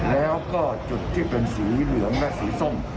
แล้วก็จุดที่เป็นสีเหลืองและสีส้ม